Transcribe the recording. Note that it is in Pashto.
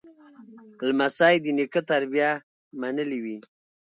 لمسی د نیکه تربیه منلې وي.